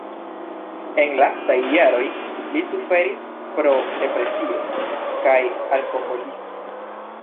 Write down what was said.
En lastaj jaroj li suferis pro depresio kaj alkoholismo.